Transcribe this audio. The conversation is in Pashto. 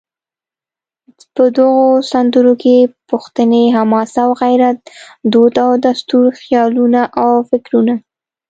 په دغو سندرو کې پښتني حماسه او غیرت، دود او دستور، خیالونه او فکرونه